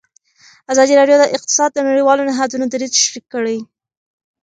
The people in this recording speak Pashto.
ازادي راډیو د اقتصاد د نړیوالو نهادونو دریځ شریک کړی.